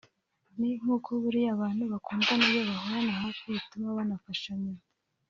ni nkuko buriya abantu bakundana iyo bahorana hafi bituma banafashanya